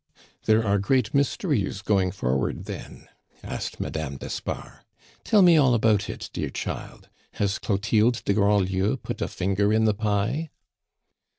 "There are great mysteries going forward then?" asked Madame d'Espard. "Tell me all about it, dear child. Has Clotilde de Grandlieu put a finger in the pie?"